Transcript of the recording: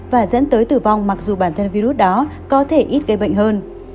và dẫn tới tử vong mặc dù bản thân virus đó có thể ít gây bệnh hơn